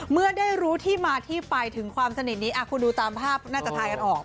เมื่อได้รู้ที่มาที่ไปถึงความสนิทนี้คุณดูตามภาพน่าจะทายกันออก